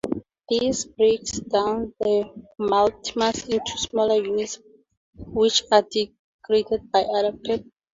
This breaks down the multimers into smaller units, which are degraded by other peptidases.